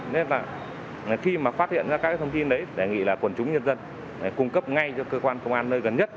nên là khi mà phát hiện ra các thông tin đấy đề nghị là quần chúng nhân dân cung cấp ngay cho cơ quan công an nơi gần nhất